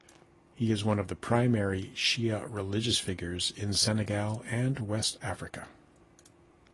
He is one of the primary Shia religious figures in Senegal and West Africa.